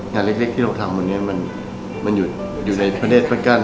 เล็กที่เราทำวันนี้มันอยู่ในประเทศประกัน